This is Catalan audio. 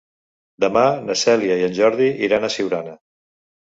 Demà na Cèlia i en Jordi iran a Siurana.